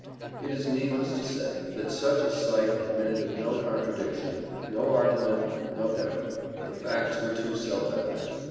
It is needless to say, that such a sight admitted of no contradiction no argument no doubt. The facts were too self evident.